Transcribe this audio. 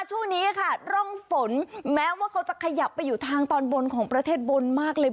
ช่วงนี้ค่ะร่องฝนแม้ว่าเขาจะขยับไปอยู่ทางตอนบนของประเทศบนมากเลย